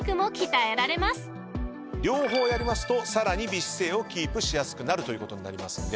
両方やりますとさらに美姿勢をキープしやすくなるということになりますんで。